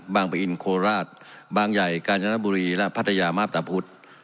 บางเบะอินโคราตบางไยกาญจนบุรีและพัฒนาหมาตรปุตร